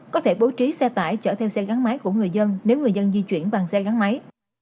có thể bố trí xe tải chở theo xe gắn máy của người dân nếu người dân di chuyển bằng xe gắn máy